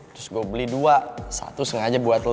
terus gue beli dua satu sengaja buat lo